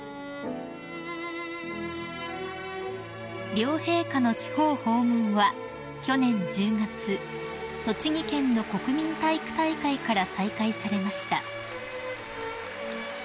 ［両陛下の地方訪問は去年１０月栃木県の国民体育大会から再開されました］